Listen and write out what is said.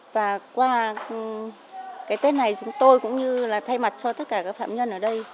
và qua cái tết này chúng tôi cũng như là thay mặt cho tất cả các phạm nhân ở đây